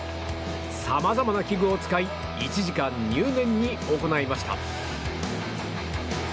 さまざまな器具を使い１時間、入念に行いました。